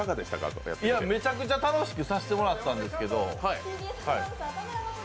めちゃくちゃ楽しくさせてもらったんですけど。